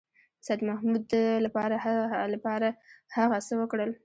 سیدمحمود لپاره هغه څه وکړل.